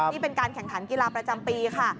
นี่เป็นการแข่งขันกีฬาประจำปีค่ะ